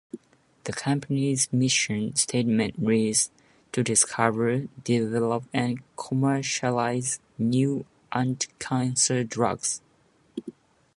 The company's mission statement reads ... to discover, develop and commercialize new anticancer drugs.